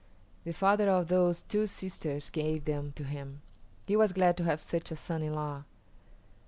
The father of those two sisters gave them to him. He was glad to have such a son in law.